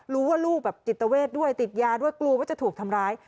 ลูกแบบจิตเวทด้วยติดยาด้วยกลัวว่าจะถูกทำร้าย